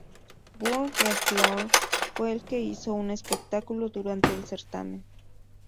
Burn The Floor fue el que hizo un espectáculo durante el certamen.